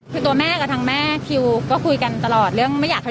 คือตัวแม่กับทางแม่คิวก็คุยกันตลอดเรื่องไม่อยากให้